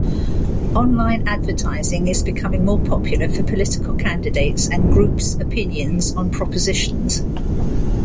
Online advertising is becoming more popular for political candidates and group's opinions on propositions.